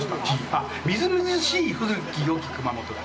あっ、みずみずしい古きよき熊本だ。